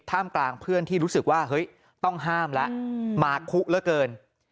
กลางเพื่อนที่รู้สึกว่าเฮ้ยต้องห้ามแล้วมาคุกเหลือเกิน